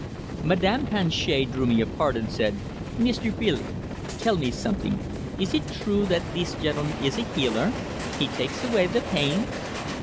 Madame Planchet drew me apart and said: "Meester Billee, tell me something. Ees eet true that thees gentleman ees a healer? He takes away the pains?"